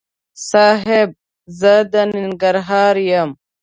صاحب! زه د ننګرهار یم.